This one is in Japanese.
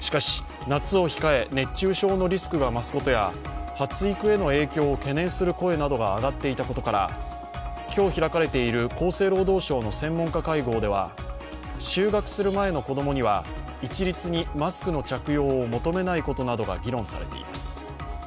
しかし、夏を控え、熱中症のリスクが増すことや発育への影響を懸念する声などが上がっていたことから今日開かれている厚生労働省の専門家会合では就学する前の子供には一律にマスクの着用を求めないことなどが議論されています。